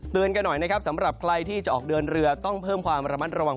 กันหน่อยนะครับสำหรับใครที่จะออกเดินเรือต้องเพิ่มความระมัดระวัง